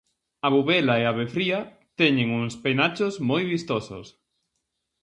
A bubela e a avefría teñen uns penachos moi vistosos.